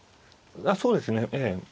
そうですね。